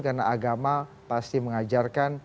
karena agama pasti mengajarkan